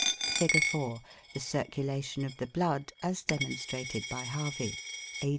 Fig. 4. The circulation of the blood as demonstrated by Harvey (A.